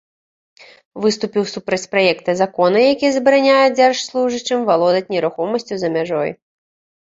Выступіў супраць праекта закона, які забараняе дзяржслужачым валодаць нерухомасцю за мяжой.